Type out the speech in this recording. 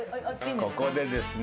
ここでですね